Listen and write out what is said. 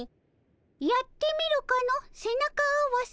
やってみるかの背中合わせ。